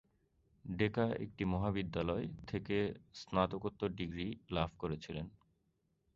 ডেকা একটি মহাবিদ্যালয় থেকে স্নাতকোত্তর ডিগ্রী লাভ করেছিলেন।